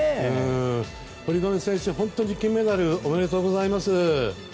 堀米選手、本当に金メダルおめでとうございます。